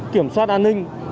kiểm soát an ninh